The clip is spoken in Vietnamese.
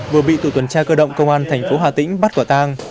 vừa bị tổ tuần tra cơ động công an thành phố hà tĩnh bắt quả tang